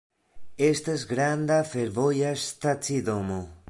Estas granda fervoja stacidomo.